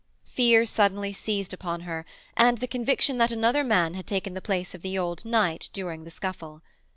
Fear suddenly seized upon her, and the conviction that another man had taken the place of the old knight during the scuffle.